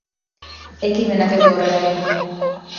Ekimenak ez du aurrera egin.